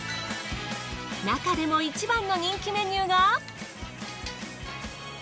なかでも一番の人気メニューが。